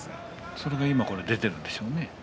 それが今出ているんでしょうね